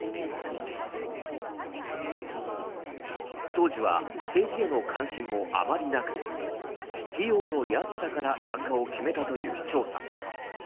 当時は政治への関心もあまりなく費用の安さから参加を決めたというチョウさん。